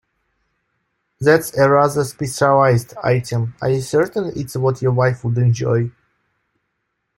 That's a rather specialised item, are you certain it's what your wife would enjoy?